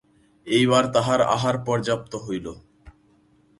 এইবার তাঁহার আহার পর্যাপ্ত হইল।